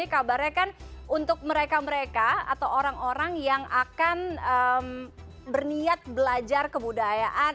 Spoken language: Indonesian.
kabarnya kan untuk mereka mereka atau orang orang yang akan berniat belajar kebudayaan